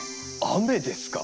雨ですか？